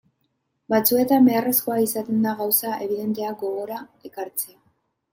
Batzuetan beharrezkoa izaten da gauza ebidenteak gogora ekartzea.